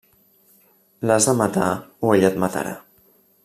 L'has de matar o ell et matarà.